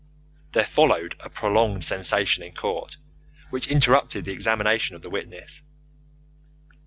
There followed a prolonged sensation in court, which interrupted the examination of the witness.